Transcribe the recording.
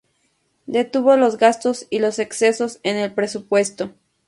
Detuvo los gastos y los excesos en el presupuesto.